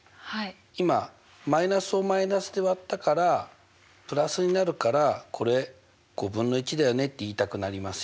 今−を−で割ったから＋になるからこれ５分の１だよねって言いたくなりますよね。